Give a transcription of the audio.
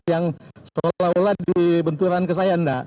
yang seolah olah dibenturan ke saya enggak